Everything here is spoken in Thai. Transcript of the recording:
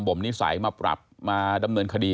มนิสัยมาปรับมาดำเนินคดี